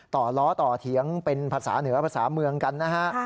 ล้อต่อเถียงเป็นภาษาเหนือภาษาเมืองกันนะฮะ